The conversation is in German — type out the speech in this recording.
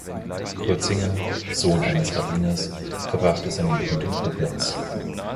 Kurt Singer, Sohn eines Rabbiners, verbrachte seine Jugend in Koblenz.